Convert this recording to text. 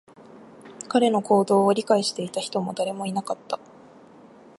彼の行動を理解していた人も誰もいなかった